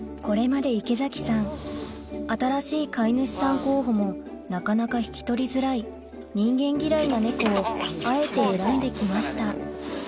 これまで池崎さん新しい飼い主さん候補もなかなか引き取りづらい人間嫌いな猫をあえて選んで来ました